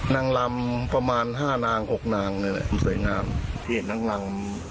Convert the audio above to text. นั่งลำประมาณห้านางหกนางเลยสวยงามที่เห็นนั่งลำ